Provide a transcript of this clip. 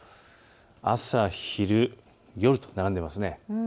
朝昼夜と並んでいます。